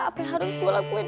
apa yang harus gue lakuin